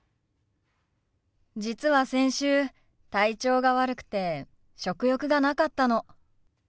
実は先週体調が悪くて食欲がなかったの。